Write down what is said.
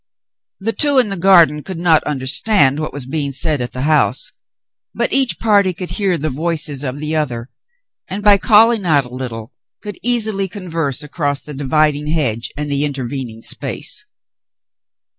The two in the garden could not understand what was being said at the house, but each party could hear the voices of the other, and by calling out a little could easily converse across the dividing hedge and the intervening space.